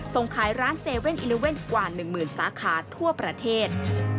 ส่งขายร้าน๗๑๑กว่า๑หมื่นสาขาทั่วประเทศ